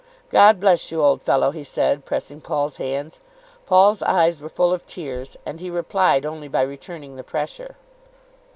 "God bless you, old fellow," he said, pressing Paul's hands. Paul's eyes were full of tears, and he replied only by returning the pressure.